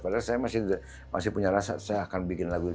padahal saya masih punya rasa saya akan bikin lagu itu